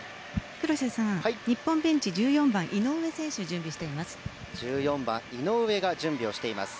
黒瀬さん、日本ベンチ１４番、井上選手を準備しています。